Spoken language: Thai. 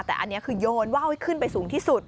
แต่อันนี้คือโยนว่าวให้ขึ้นไปสูงที่สุด